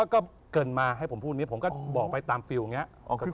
ก็เกิ่นมาให้ผมพูดผมก็บอกไปตามส่วนฟรี